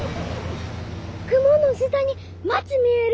雲の下に町見える！